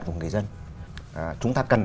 của người dân chúng ta cần